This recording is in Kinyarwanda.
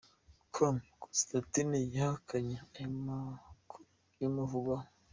com, Constantine yahakanye aya makuru yamuvugwaho.